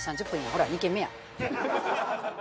ほら２軒目や。